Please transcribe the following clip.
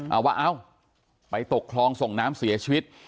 เอาว่าเอ้าไปตกคลองส่งน้ำเสียชีวิต